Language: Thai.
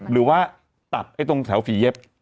หรือว่าตัดตรงแถวฝีเย็บ